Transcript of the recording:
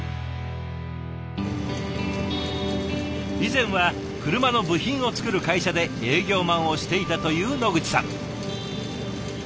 以前は車の部品を作る会社で営業マンをしていたという野口さん。